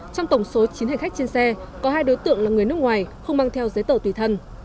trong tổng số chín hành khách trên xe có hai đối tượng là người nước ngoài không mang theo giấy tờ tùy thân